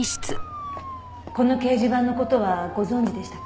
この掲示板の事はご存じでしたか？